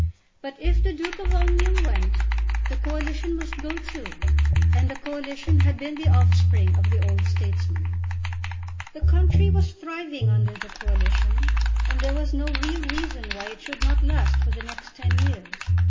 But if the Duke of Omnium went the Coalition must go too, and the Coalition had been the offspring of the old statesman. The country was thriving under the Coalition, and there was no real reason why it should not last for the next ten years.